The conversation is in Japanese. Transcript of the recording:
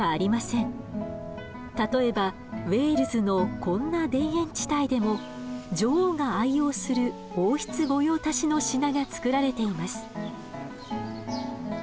例えばウェールズのこんな田園地帯でも女王が愛用する王室御用達の品が作られています。